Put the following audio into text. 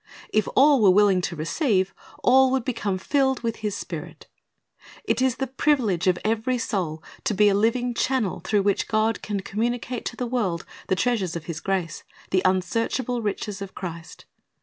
If all were willing to receive, all would become filled with His Spirit. It is the privilege of every soul to be a living channel through which God can communicate to the world the treasures of His grace, the unsearchable riches of Christ.